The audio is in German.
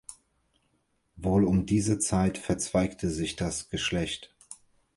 Wohl um diese Zeit verzweigte sich das Geschlecht.